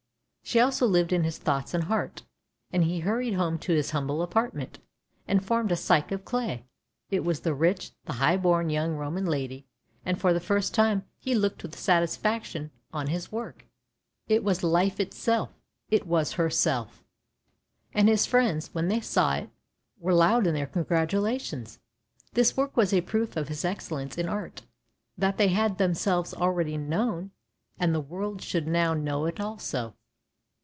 She also lived in his thoughts and heart. And he hurried home to his humble apartment, and formed a Psyche of clay; it was the rich, the high born young Roman lady, and for the first time he looked with satisfaction on his work. It was life 106 ANDERSEN'S FAIRY TALES itself — it was herself. And his friends, when they saw it, were loud in their congratulations. This work was a proof of his excellence in art, that they had themselves already known, and the world should now know it also.